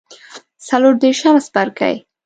څلور دیرشم څپرکی